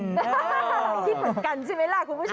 หลายคิดเหมือนกันใช่ไหมล่ะคุณผู้ชม